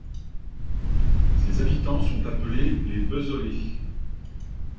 Ses habitants sont appelés les Bezolais.